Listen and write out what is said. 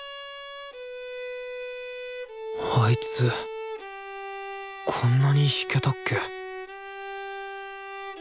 あいつこんなに弾けたっけ？